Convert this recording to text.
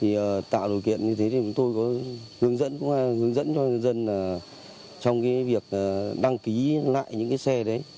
thì tạo điều kiện như thế thì chúng tôi có hướng dẫn hướng dẫn cho nhân dân là trong cái việc đăng ký lại những cái xe đấy